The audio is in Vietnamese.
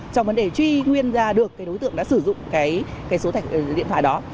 trong vấn đề truy nguyên ra được đối tượng đã sử dụng số điện thoại đó